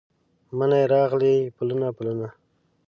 مني راغلي پلونه، پلونه